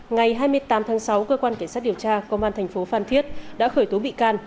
ngày hai mươi tám tháng sáu cơ quan cảnh sát điều tra công an thành phố phan thiết đã khởi tố bị can